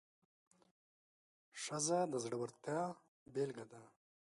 ښځه د زړورتیا بیلګه ده.